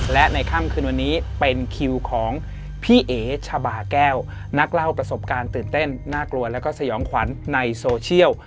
และในค่ำคืนวันนี้เป็นคิวของพี่เอ๋ชะบาแก้วนักเล่าประสบการณ์ตื่นเต้นน่ากลัวแล้วก็สยองขวัญในโซเชียล